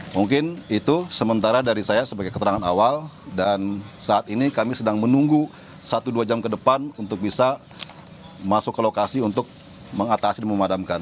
mungkin itu sementara dari saya sebagai keterangan awal dan saat ini kami sedang menunggu satu dua jam ke depan untuk bisa masuk ke lokasi untuk mengatasi dan memadamkan